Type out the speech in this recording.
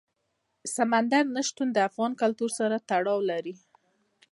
سمندر نه شتون د افغان کلتور سره تړاو لري.